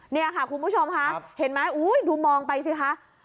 นี่ค่ะคุณผู้ชมค่ะเห็นไหมดูมองไปสิคะ